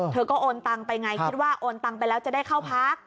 เธอก็โอนตังไปไงคิดว่าโอนตังไปแล้วจะได้เข้าพัก